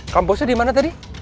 kampusnya dimana tadi